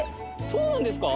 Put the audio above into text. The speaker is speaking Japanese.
そうなんですか！？